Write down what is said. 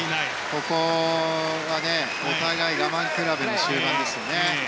ここはお互い我慢比べの終盤ですね。